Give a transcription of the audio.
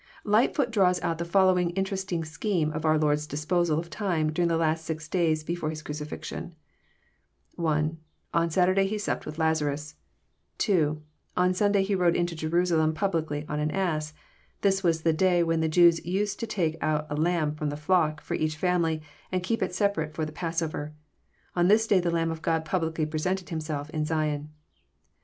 Lightfoot draws out the following interesting scheme of our Lord's disposal of time during the last six days before His cruci fixion : (1) On Saturday He sapped with Lazarus. (2) On Sun day He rode into Jerusalem publicly on an ass. This was the day when the Jews used to take out a lamb from the fiock, for each family, and to keep it separate for the passover. On this day the Lamb of God publicly presented Himself in Zion.